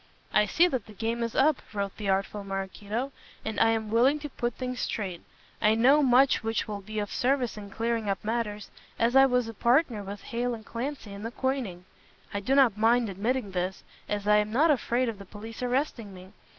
"I see that the game is up," wrote the artful Maraquito, "and I am willing to put things straight. I know much which will be of service in clearing up matters, as I was a partner with Hale and Clancy in the coining. I do not mind admitting this, as I am not afraid of the police arresting me.